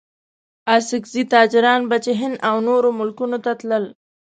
اڅګزي تاجران به چې هند او نورو ملکونو ته تلل.